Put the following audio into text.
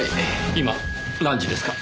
今何時ですか？